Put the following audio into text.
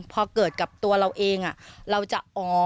พอเกิดกับตัวเราเองเราจะอ๋อ